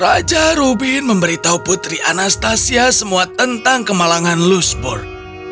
raja rubin memberitahu putri anastasia semua tentang kemalangan lusburg